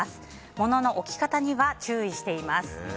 物の置き方には注意しています。